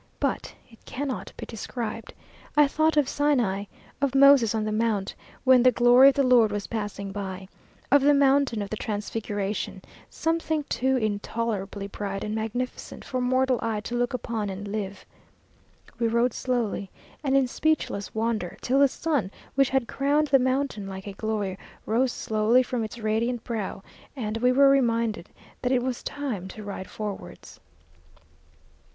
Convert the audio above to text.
But it cannot be described. I thought of Sinai, of Moses on the Mount, when the glory of the Lord was passing by; of the mountain of the Transfiguration, something too intolerably bright and magnificent for mortal eye to look upon and live. We rode slowly, and in speechless wonder, till the sun, which had crowned the mountain like a glory, rose slowly from its radiant brow, and we were reminded that it was time to ride forwards.